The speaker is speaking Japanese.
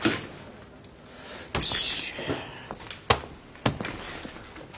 よし。